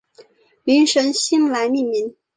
灵神星来命名。